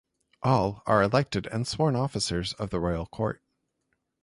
All are elected and sworn officers of the Royal Court.